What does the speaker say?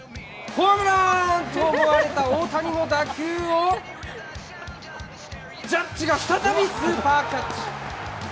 ホームラン！と思われた大谷の打球をジャッジが再びスーパーキャッチ。